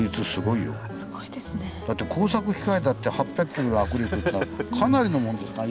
だって工作機械だって８００ｋｇの握力っつうのはかなりのもんですから。